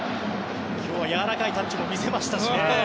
今日はやわらかいタッチも見せましたね。